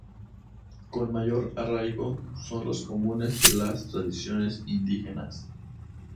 con mayor arraigo son los comunes de las tradiciones indígenas